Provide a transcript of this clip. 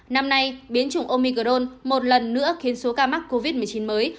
năm nay biến chủng omicron một lần nữa khiến số ca mắc covid một mươi chín mới